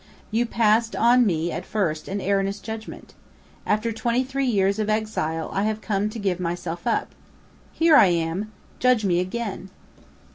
You passed on me at first an erroneous judgment. After twenty three years of exile I have come to give myself up! Here I am; judge me again!"